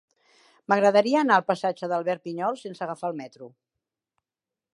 M'agradaria anar al passatge d'Albert Pinyol sense agafar el metro.